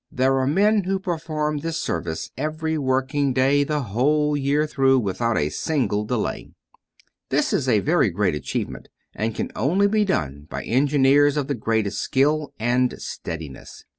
There are men who perform this service every working day the whole year through, without a single delay. This is a very great achievement, and can only be done by engineers of the greatest skill and steadiness.